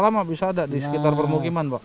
ini berapa lama bisa ada di sekitar permukiman pak